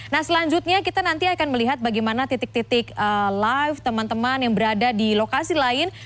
nah selanjutnya kita nanti akan melihat bagaimana titik titik live teman teman yang berada di lokasi lain